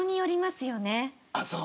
ああそう！